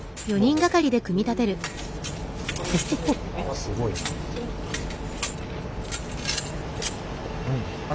すごいな。